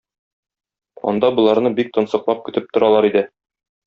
Анда боларны бик тансыклап көтеп торалар иде.